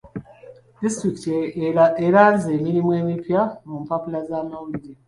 Disitulikiti eranze emirimu emipya mu mpapula z'amawulire.